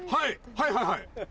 はいはいはい。